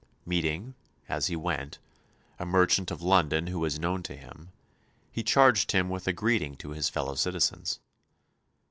Meeting, as he went, a merchant of London who was known to him, he charged him with a greeting to his fellow citizens.